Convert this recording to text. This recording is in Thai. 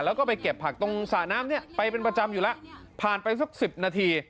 แล้วก็ไปเก็บผักตรงสระน้ำเนี่ยไปเป็นประจำอยู่แล้วผ่านไปสัก๑๐นาที